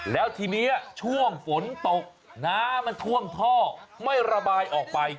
แล้วทีนี้ช่วงฝนตกน้ำมันท่วมท่อไม่ระบายออกไป